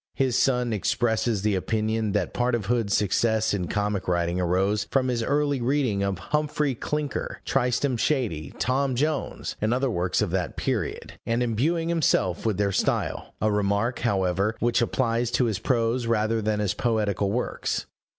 His son expresses the opinion that part of Hood's success in comic writing arose from his early reading of Humphrey Clinker, Tristram Shandy, Tom Jones, and other works of that period, and imbuing himself with their style: a remark, however, which applies to his prose rather than his poetical works.